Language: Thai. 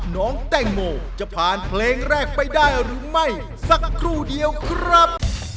น้องแตงโมจะผ่านเพลงแรกไปได้หรือไม่สักครู่เดียวครับ